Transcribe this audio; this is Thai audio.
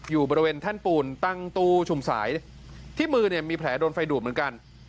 อยู่บริเวณแท่นปูนตั้งตู้ชุมสายที่มือเนี่ยมีแผลโดนไฟดูดเหมือนกัน